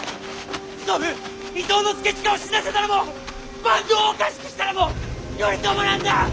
祖父伊東祐親を死なせたのも坂東をおかしくしたのも頼朝なんだ！